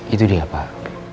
itu dia pak